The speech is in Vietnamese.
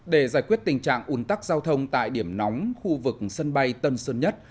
để giải quyết tình trạng ủn tắc giao thông tại điểm nóng khu vực sân bay tân sơn nhất